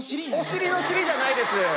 お尻の「尻」じゃないです！